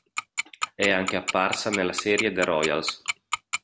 È anche apparsa nella serie The Royals.